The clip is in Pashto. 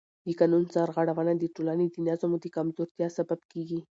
د قانون سرغړونه د ټولنې د نظم د کمزورتیا سبب کېږي